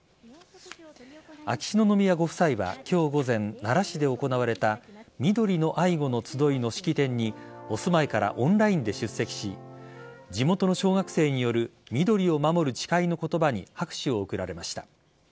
秋篠宮ご夫妻は今日午前奈良市で行われた「みどりの愛護」のつどいの式典にお住まいからオンラインで出席し地元の小学生による緑を守る誓いの言葉に拍手を送られました。